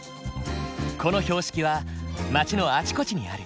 この標識は町のあちこちにある。